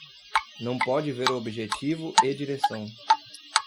Não pode ver o objetivo e direção